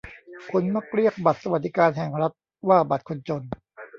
คนมักเรียกบัตรสวัสดิการแห่งรัฐว่าบัตรคนจน